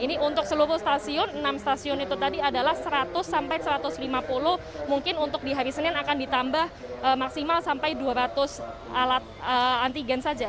ini untuk seluruh stasiun enam stasiun itu tadi adalah seratus sampai satu ratus lima puluh mungkin untuk di hari senin akan ditambah maksimal sampai dua ratus alat antigen saja